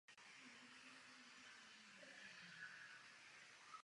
Je uznáván jako odborník v oboru trestního práva.